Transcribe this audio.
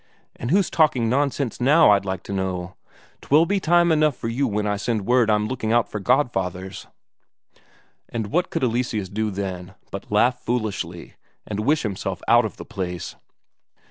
And who's talking nonsense now, I'd like to know? 'Twill be time enough for you when I send word I'm looking out for godfathers." And what could Eleseus do then but laugh foolishly and wish himself out of the place!